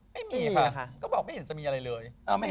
ไม่มีค่ะก็บอกไม่เห็นจะมีอะไรเลย